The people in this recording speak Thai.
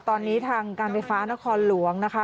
ตอนนี้ทางการไฟฟ้านครหลวงนะคะ